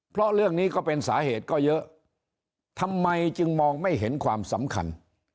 เพราะเรื่องนี้ก็เป็นสาเหตุก็เยอะทำไมจึงมองไม่เห็นความสำคัญ